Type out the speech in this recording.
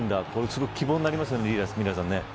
すごく希望になりますよね。